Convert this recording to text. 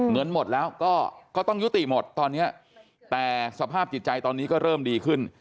เงินหมดแล้วก็ต้องยุติหมดตอนนี้แต่สภาพจิตใจตอนนี้ก็เริ่มดีขึ้น